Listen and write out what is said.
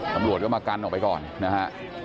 ตำรวจก็มากันออกไปก่อนนะฮะ